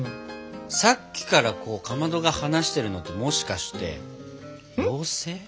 さっきからかまどが話してるのってもしかして妖精？